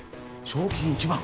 賞金１万。